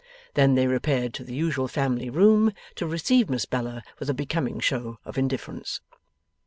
Then they repaired to the usual family room, to receive Miss Bella with a becoming show of indifference.